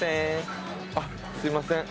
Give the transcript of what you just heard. あっすみません。